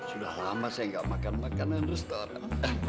sudah lama saya gak makan makan di restoran